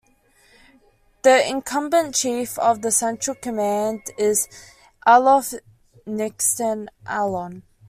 The incumbent chief of Central Command is Aluf Nitzan Alon.